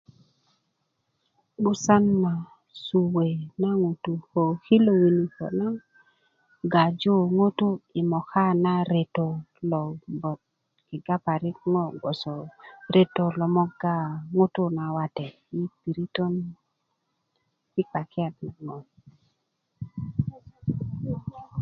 'busan na suwe na ŋutuú ko kilo winikä na gaju ŋutú i moka na reto logoŋ kega parik ŋo gboso reto lo moga ŋutuú na wate i piritän ti gbakiyat ti mokosi